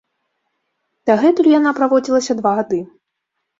Дагэтуль яна не праводзілася два гады.